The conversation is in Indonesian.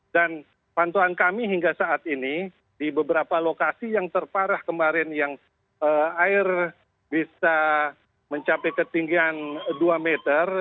dan bantuan kami hingga saat ini di beberapa lokasi yang terparah kemarin yang air bisa mencapai ketinggian dua meter